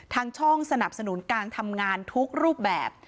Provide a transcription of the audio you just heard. ทางช่องสนับสนุนการทำงานทุกรูปแบบ